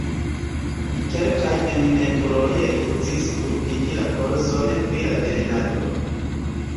Kelkaj eminentuloj rifuzis kulpigi la kolzon pri la venenado.